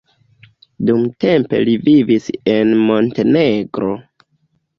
Dumtempe li vivis en Montenegro.